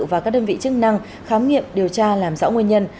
và các đơn vị chức năng khám nghiệm điều tra làm rõ nguyên nhân